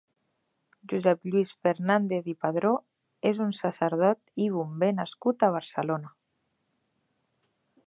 Josep Lluís Fernández i Padró és un sacerdot i bomber nascut a Barcelona.